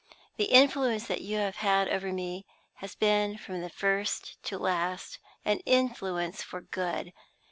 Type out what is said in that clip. The influence that you have had over me has been from first to last an influence for good.